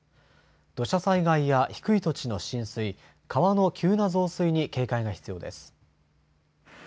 土砂災害や低い土地の浸水、川の急な増水に警戒が必要です。